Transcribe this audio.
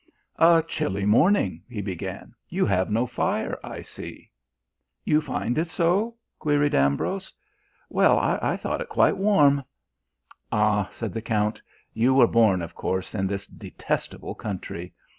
"A chilly morning," he began. "You have no fire, I see." "You find it so?" queried Ambrose. "Well, I thought it quite warm." "Ah," said the count, "you were born, of course, in this detestable country.